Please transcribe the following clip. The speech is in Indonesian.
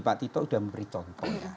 pak tito sudah memberi contohnya